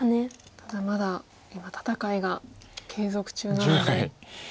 ただまだ今戦いが継続中なので。